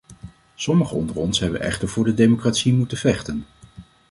Sommigen onder ons hebben echter voor de democratie moeten vechten.